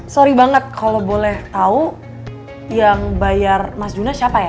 sorry banget kalau boleh tahu yang bayar mas juna siapa ya